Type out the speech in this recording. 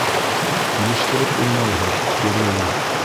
Килештереп уйнайһың, Керея!